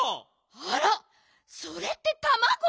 あらそれってたまご？